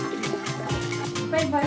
バイバーイ。